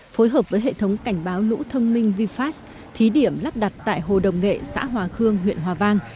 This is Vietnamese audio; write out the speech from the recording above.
phối hợp với hệ thống cảnh báo lũ thông minh vfast thí điểm lắp đặt tại hồ đồng nghệ xã hòa khương huyện hòa vang